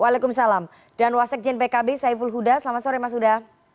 waalaikumsalam dan wasek jnpkb saiful huda selamat sore mas huda